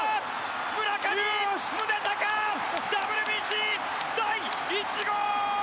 村上宗隆、ＷＢＣ第１号！